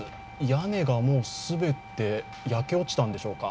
屋根がもう全て焼け落ちたんでしょうか。